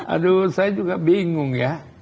aduh saya juga bingung ya